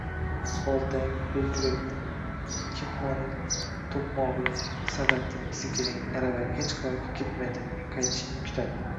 Boltang, belkuraging, ketmoning, toʻqmogʻing, savating, sigiring, aravang hech qayoqqa ketmaydi, qaytishingni kutadi…